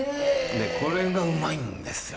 でこれがうまいんですよ！